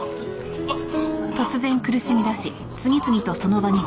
あっ。